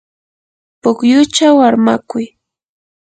pukyuchaw armakuy.